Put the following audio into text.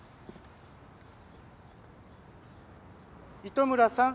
糸村さん。